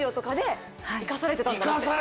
生かされてたんや。